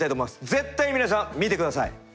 絶対に皆さん見て下さい！